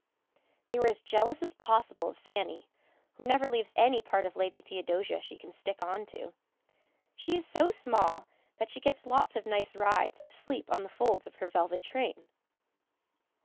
They were as jealous as possible of Fanny, who never leaves any part of Lady Theodosia she can stick on to. She is so small that she gets lots of nice rides asleep on the folds of her velvet train.